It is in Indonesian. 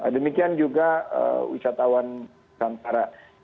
demikian juga wisatawan kantara